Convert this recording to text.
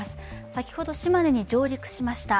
先ほど島根に上陸しました。